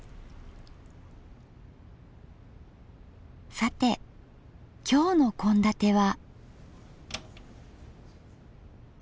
さて今日の献立は。